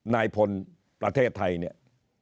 นายพลประเทศไทยเนี่ย